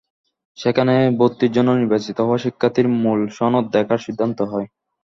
সেখানে ভর্তির জন্য নির্বাচিত হওয়া শিক্ষার্থীর মূল সনদ দেখার সিদ্ধান্ত হয়।